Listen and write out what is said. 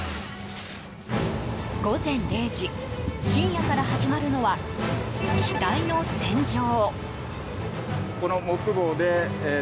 午前０時深夜から始まるのは機体の洗浄。